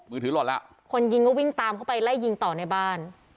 ถือหล่นแล้วคนยิงก็วิ่งตามเข้าไปไล่ยิงต่อในบ้าน